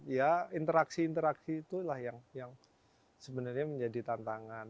ya interaksi interaksi itulah yang sebenarnya menjadi tantangan